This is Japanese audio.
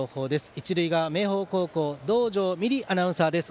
一塁側、明豊高校道上美璃アナウンサーです。